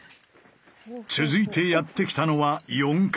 続いてやって来たのは４階。